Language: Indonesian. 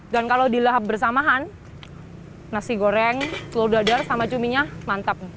dan kalau dilahap bersamaan nasi goreng telur dadar sama cuminya mantap